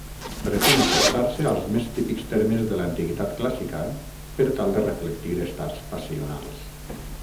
Pretén acostar-se als més típics termes de l'antiguitat clàssica per tal de reflectir estats passionals.